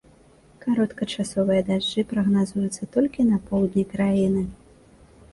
Кароткачасовыя дажджы прагназуюцца толькі на поўдні краіны.